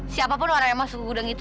siapa pun orang yang masuk ke gudang itu